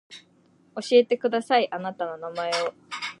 教えてくださいあなたの名前を